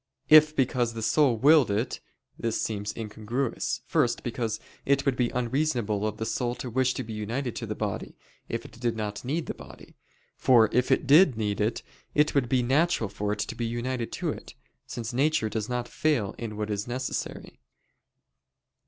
If because the soul willed it this seems incongruous. First, because it would be unreasonable of the soul to wish to be united to the body, if it did not need the body: for if it did need it, it would be natural for it to be united to it, since "nature does not fail in what is necessary."